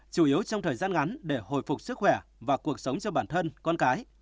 chủ yếu trong thời gian ngắn để hồi phục sức khỏe và cuộc sống cho bản thân con cái